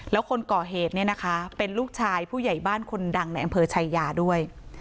แล้วคนก่อเหตุเนี่ยนะคะเป็นลูกชายผู้ใหญ่บ้านคนดังในอำเภอชายาด้วย